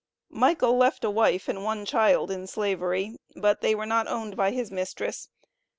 Michael left a wife and one child in Slavery; but they were not owned by his mistress.